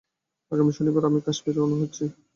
আগামী শনিবার আমি কাশ্মীর রওনা হচ্ছি।